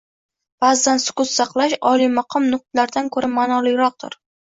Ba’zan sukut saqlash oliymaqom nutqlardan ko‘ra ma’noliroqdir.